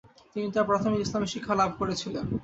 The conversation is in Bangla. তিনি তাঁর প্রাথমিক ইসলামী শিক্ষা লাভ করেছিলেন।